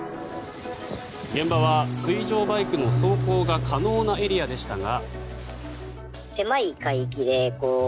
現場は水上バイクの走行が可能なエリアでしたが。